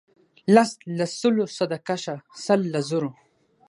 لس له سلو صدقه شه سل له زرو.